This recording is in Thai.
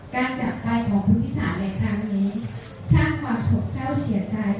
จากไปของคุณพิสารในครั้งนี้สร้างความสกเศร้าเสียใจ